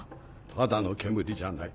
ただの煙じゃない。